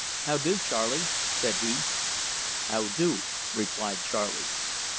"How do, Charley," said he. "How do," replied Charley.